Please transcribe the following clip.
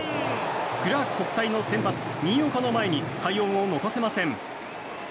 クラーク国際の先発新岡の前に快音を残せません。